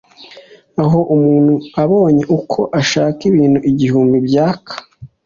aho umuntu abonye uko ashaka ibintu igihumbi byaka